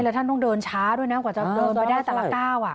แล้วท่านต้องเดินช้าด้วยนะกว่าจะเดินไปได้แต่ละก้าว